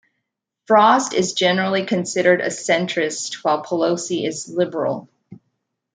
Frost is generally considered a centrist while Pelosi is liberal.